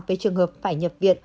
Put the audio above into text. về trường hợp phải nhập viện